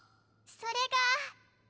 それが？